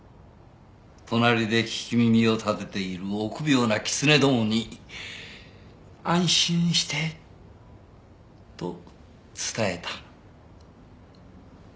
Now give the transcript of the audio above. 隣で聞き耳を立てている臆病なキツネどもに「安心して」と伝えた？